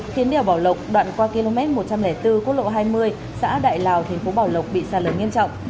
khiến đèo bảo lộc đoạn qua km một trăm linh bốn quốc lộ hai mươi xã đại lào thành phố bảo lộc bị sạt lở nghiêm trọng